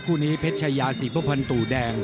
คู่นี้เพชยา๔ผันตุ